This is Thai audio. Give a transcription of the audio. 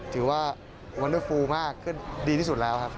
หมูฟอร์นเนอะ